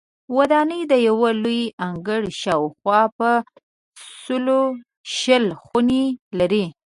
ودانۍ د یو لوی انګړ شاوخوا په سلو شل خونې لري.